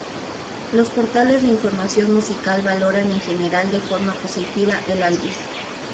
Los portales de información musical valoran en general de forma positiva el álbum.